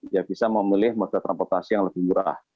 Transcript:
ya bisa memilih moda transportasi yang lebih murah